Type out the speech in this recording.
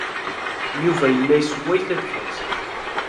Yuba yella yessway tibḥirt.